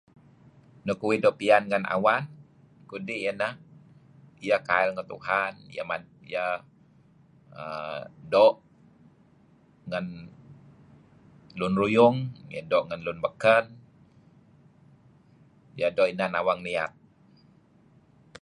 Nuk uih doo' pian n'en awan kudih, ieh kail maya' Tuhan, ieh doo' ngen lun ruyung, ieh doo' ngen lun beken, iel doo' inan awang niat.